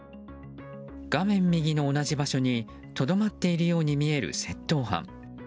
画面右の同じ場所にとどまっているように見える窃盗犯。